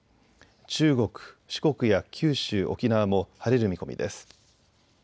中国・四国や九州、沖縄も晴れる見込みです。